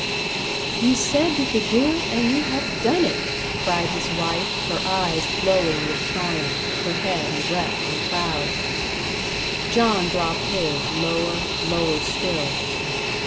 "You said you could do it, and you have done it," cried his wife, her eyes glowing with triumph, her head erect and proud. John dropped his lower, lower still.